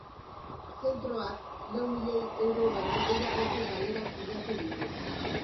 Zentroak lau milioi euro baino gehiagoko galerak pilatu ditu.